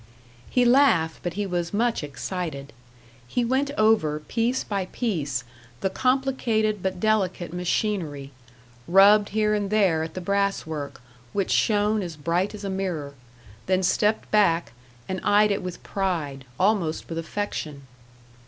He laughed, but he was much excited. He went over, piece by piece, the complicated but delicate machinery; rubbed here and there at the brass work, which shone as bright as a mirror; then stepped back, and eyed it with pride, almost with affection.